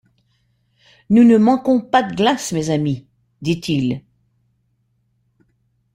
Nous ne manquons pas de glace, mes amis, dit-il.